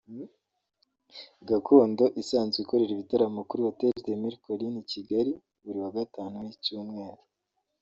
Gakondo isanzwe ikorera ibitaramo kuri Hotel de Mille Collines i Kigali buri wa Gatanu w’Icyumweru